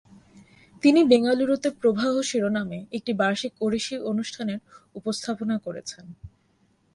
তিনি বেঙ্গালুরুতে 'প্রবাহ' শিরোনামে একটি বার্ষিক ওড়িশি অনুষ্ঠানের উপস্থাপনা করছেন।